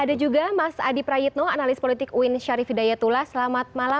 ada juga mas adi prayitno analis politik uin syarif hidayatullah selamat malam